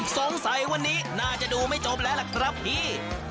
สงสัยวันนี้น่าจะดูไม่จบแล้วล่ะครับพี่